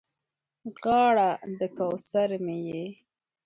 غاړه د کوثر مې یې